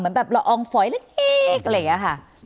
เหมือนแบบละอองฝอยเล็กอะไรอย่างนี้ค่ะ